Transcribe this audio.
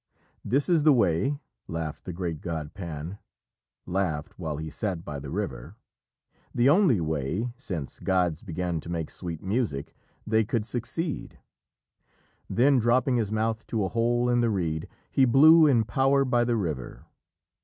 'This is the way,' laughed the great god Pan (Laughed while he sat by the river), 'The only way, since gods began To make sweet music, they could succeed.' Then, dropping his mouth to a hole in the reed, He blew in power by the river.